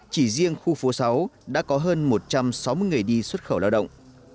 chỉ riêng khu phố sáu đã có hơn một trăm sáu mươi người đi xuất khẩu lao động